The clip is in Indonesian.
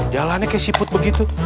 jalannya kayak siput begitu